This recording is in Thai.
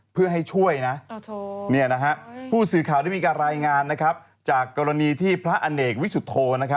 เพื่อให้ช่วยนะผู้สื่อข่าวได้มีการรายงานจากกรณีที่พระอเนกวิสุทธโธ